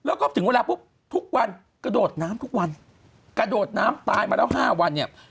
แล้วก็ถึงเวลาปุ๊บทุกวันกระโดดน้ำทุกวันกระโดดน้ำตายมาแล้ว๕วันเนี่ย